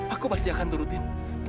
aku pasti akan turutin